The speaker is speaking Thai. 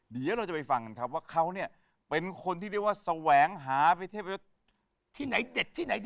เดี๋ยวเราจะไปฟังกันครับว่าเขาเนี่ยเป็นคนที่เรียกว่าแสวงหาไปเทพที่ไหนเด็ดที่ไหนดี